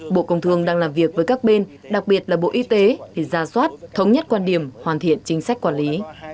bộ công thương đang làm việc với các bên đặc biệt là bộ y tế để ra soát thống nhất quan điểm hoàn thiện chính sách quản lý